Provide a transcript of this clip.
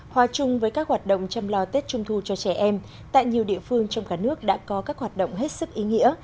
hòa chung với các hoạt động chăm lo tết trung thu cho trẻ em tại nhiều địa phương trong cả nước đã có các hoạt động hết sức ý nghĩa